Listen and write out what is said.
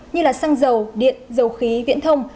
như là xăng dầu điện dầu khí viễn thông